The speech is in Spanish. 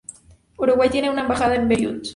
Uruguay tiene una embajada en Beirut.